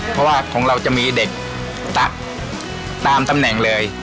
เพราะว่าของเราจะมีเด็กตักตามตำแหน่งเลย